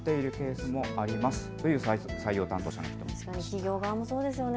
企業側もそうですよね。